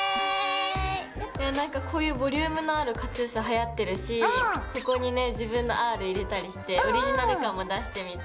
なんかこういうボリュームのあるカチューシャはやってるしここにね自分の「Ｒ」入れたりしてオリジナル感も出してみた。